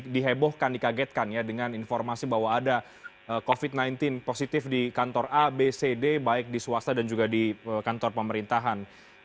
dihebohkan dikagetkan ya dengan informasi bahwa ada covid sembilan belas positif di kantor a b c d baik di swasta dan juga di kantor pemerintahan